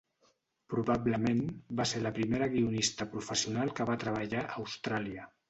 Probablement va ser la primera guionista professional que va treballar a Austràlia.